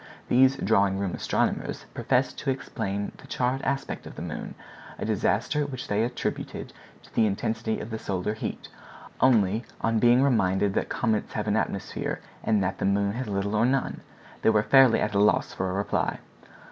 These drawing room astronomers professed to explain the charred aspect of the moon—a disaster which they attributed to the intensity of the solar heat; only, on being reminded that comets have an atmosphere, and that the moon has little or none, they were fairly at a loss for a reply.